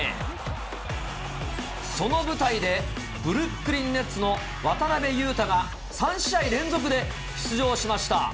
その舞台で、ブルックリンネッツの渡邊雄太が３試合連続で出場しました。